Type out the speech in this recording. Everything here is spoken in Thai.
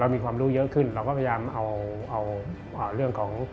พอแล้วมีความรู้เยอะขึ้นพยายามเอาเรื่องของ